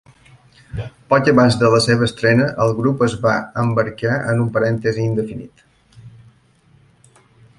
Poc abans de la seva estrena, el grup es va embarcar en un parèntesi indefinit.